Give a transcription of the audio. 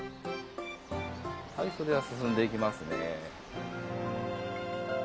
それでは進んでいきますね。